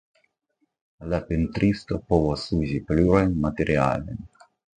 La pentristo povas uzi plurajn materialojn.